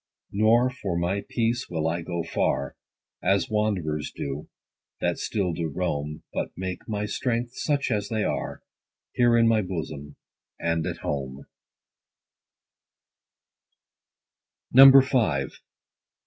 Nor for my peace will I go far, As wanderers do, that still do roam ; But make my strengths, such as they are, Here in my bosom, and at home.